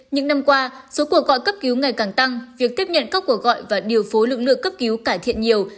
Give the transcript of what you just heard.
những năm qua số cuộc gọi cấp cứu ngày càng tăng việc tiếp nhận các cuộc gọi và điều phối lực lượng cấp cứu cải thiện nhiều